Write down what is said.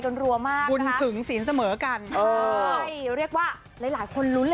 กันรัวมากมันถึงศีลเสมอกันใช่เรียกว่าหลายหลายคนลุ้นเลยแหละ